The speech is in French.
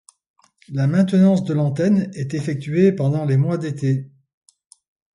La maintenance de l'antenne est effectuée pendant les mois d'été.